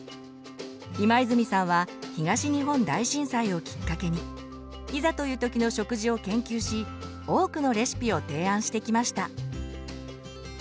今泉さんは東日本大震災をきっかけにいざという時の食事を研究し多くのレシピを提案してきました。